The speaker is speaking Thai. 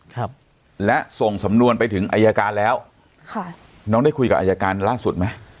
ครับและส่งสำนวนไปถึงอายการแล้วค่ะน้องได้คุยกับอายการล่าสุดไหม